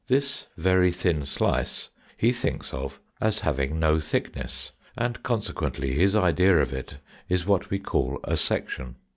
This very thin slice he thinks of as having no thickness, and consequently his idea of it is what we call a section.